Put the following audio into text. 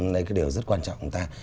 đấy cái điều rất quan trọng của người ta